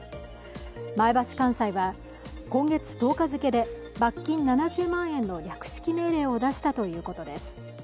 前橋簡裁は今月１０日付で罰金７０万円の略式命令を出したということです。